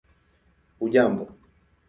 hujambo